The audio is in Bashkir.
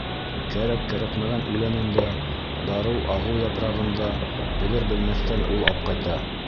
Кәрәк-кәрәкмәгән үләнен дә, дарыу-ағыу япрағын да белер-белмәҫтән ул апҡайта.